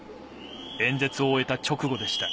演説を終えた直後でした。